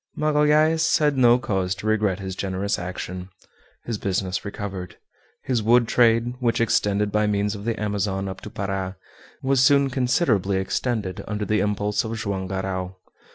Magalhaës had no cause to regret his generous action. His business recovered. His wood trade, which extended by means of the Amazon up to Para, was soon considerably extended under the impulse of Joam Garral.